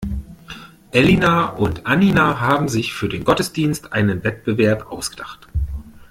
Elina und Annina haben sich für den Gottesdienst einen Wettbewerb ausgedacht.